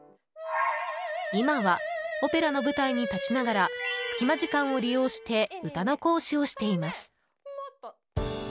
今は、オペラの舞台に立ちながら隙間時間を利用して歌の講師をしています。